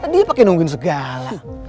dia pake nungguin segala